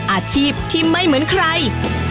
อาชีพที่ไม่เหมือนใคร